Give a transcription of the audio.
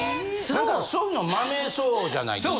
・なんかそういうのマメそうじゃないですか？